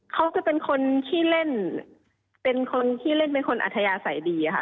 เขาจะเป็นคนที่เล่นเป็นคนอัธยาศัยดีค่ะ